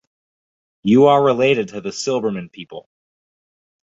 You are related to the Silberman people.